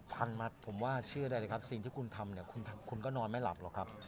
ทันมัดผมว่าเชื่อได้เลยครับสิ่งที่คุณทำเนี่ยคุณก็นอนไม่หลับหรอกครับ